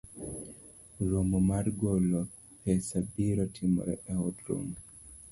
romo mar golo pesabiro timore e od romo